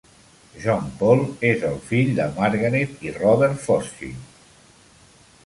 John Paul és el fill de Margaret i Robert Foschi.